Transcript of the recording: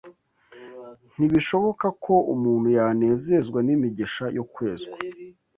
Ntibishoboka ko umuntu yanezezwa n’imigisha yo kwezwa